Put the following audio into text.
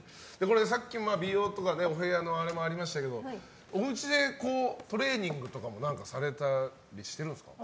さっき、美容とかお部屋のあれもありましたけどおうちで、トレーニングとかもされたりしてるんですか？